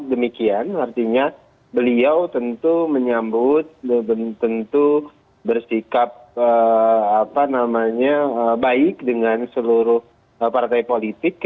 demikian artinya beliau tentu menyambut tentu bersikap baik dengan seluruh partai politik